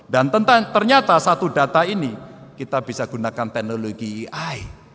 dan ternyata satu data ini kita bisa gunakan teknologi iai